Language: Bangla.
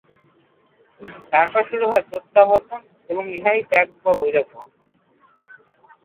তারপর শুরু হয় প্রত্যাবর্তন এবং ইহাই ত্যাগ বা বৈরাগ্য।